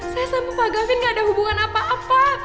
saya sama pak gafin nggak ada hubungan apa apa